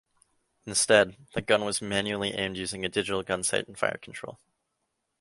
Instead the gun was manually aimed using a digital gun sight and fire control.